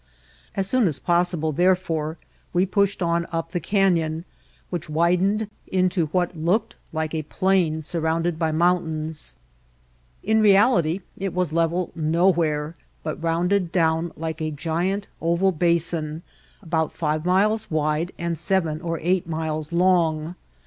As soon as possible therefore, we pushed on up the canyon which widened into what looked like a plain surrounded by mountains. In reality it was level nowhere, but rounded down like a giant oval basin about five miles wide and seven or eight miles long.